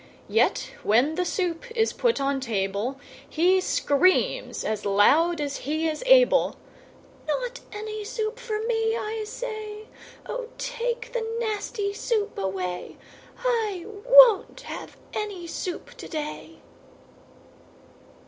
Yet, when the soup is put on table, He screams, as loud as he is able, "Not any soup for me, I say: O take the nasty soup away! I WON'T have any soup today."